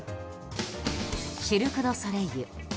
シルク・ドゥ・ソレイユ。